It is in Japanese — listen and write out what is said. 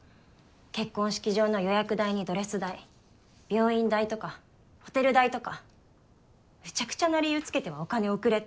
結婚式場の予約代にドレス代病院代とかホテル代とか無茶苦茶な理由つけてはお金送れって。